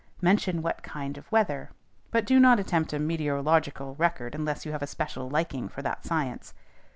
Mention what kind of weather; but do not attempt a meteorological record unless you have a special liking for that science.